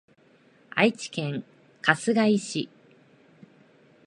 愛知県春日井市